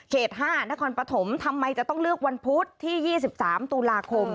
๕นครปฐมทำไมจะต้องเลือกวันพุธที่๒๓ตุลาคม